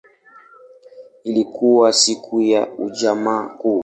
Ilikuwa siku ya Ijumaa Kuu.